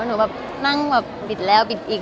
พี่อ้ามก็เห็นนั่งแบบปิดแล้วปิดอีก